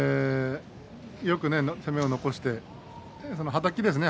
よく攻めを残して、はたきですね。